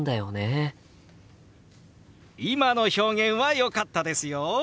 今の表現はよかったですよ！